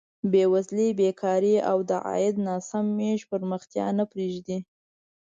بېوزلي، بېکاري او د عاید ناسم ویش پرمختیا نه پرېږدي.